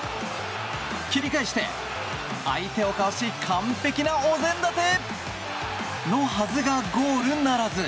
切り返して、相手をかわし完璧なお膳立てのはずがゴールならず。